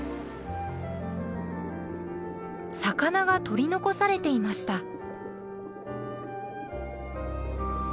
魚が取り残されていました。